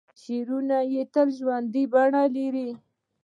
شعرونه یې تل ژوندۍ بڼه لري.